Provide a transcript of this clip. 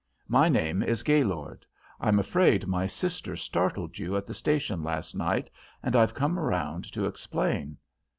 My name is Gaylord. I'm afraid my sister startled you at the station last night, and I've come around to explain."